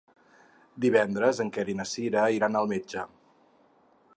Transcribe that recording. Divendres en Quer i na Cira iran al metge.